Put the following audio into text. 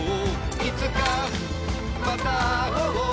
「いつかまた会おう」